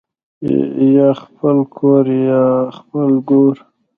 یا خپل کور یا خپل ګور